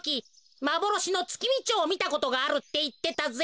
まぼろしのツキミチョウをみたことがあるっていってたぜ。